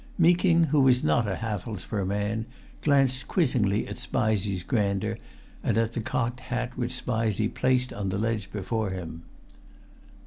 Meeking, who was not a Hathelsborough man, glanced quizzingly at Spizey's grandeur and at the cocked hat which Spizey placed on the ledge before him.